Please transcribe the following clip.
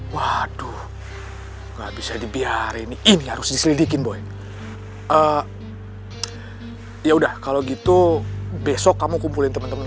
waduh nggak bisa dibiarin ini harus diselidikin boy ya udah kalau gitu besok kamu kumpulin teman teman